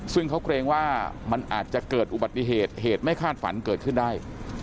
ซึ่งเขาเกรงว่ามันอาจจะเกิดอุบัติเหตุเหตุไม่คาดฝันเกิดขึ้นได้